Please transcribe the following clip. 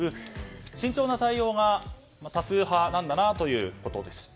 慎重な対応が多数派なんだなというところでした。